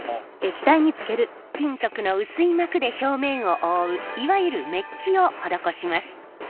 金属の薄い膜で表面を覆ういわゆるめっきを施します。